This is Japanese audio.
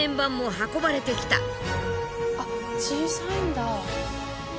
あっ小さいんだ。